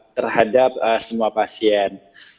terhadap semua pasien